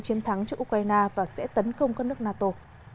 chiến thắng cho ukraine và sẽ tấn công các nước nato